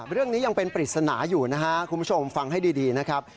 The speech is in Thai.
เรื่องนี้ยังเป็นปริศนาอยู่นะครับคุณผู้ชมฟังให้ดีนะครับ